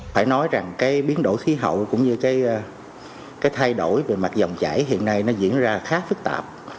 phải nói rằng cái biến đổi khí hậu cũng như cái thay đổi về mặt dòng chảy hiện nay nó diễn ra khá phức tạp